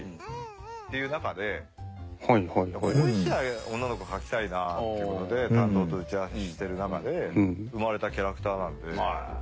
っていう中でボーイッシュな女の子描きたいなっていう事で担当と打ち合わせしてる中で生まれたキャラクターなので。